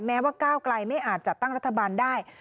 แม้ว่าก้าวไกลไม่อาจจัดตั้งรัฐบาลได้